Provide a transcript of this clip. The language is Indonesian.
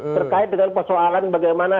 terkait dengan persoalan bagaimana